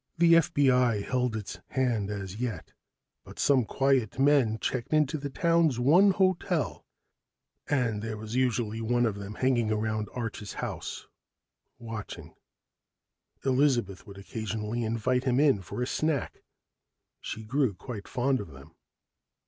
The FBI held its hand as yet, but some quiet men checked into the town's one hotel, and there was usually one of them hanging around Arch's house, watching. Elizabeth would occasionally invite him in for a snack she grew quite fond of them.